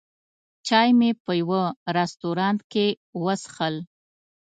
چای مې په یوه رستورانت کې وڅښل.